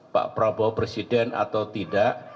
pak prabowo presiden atau tidak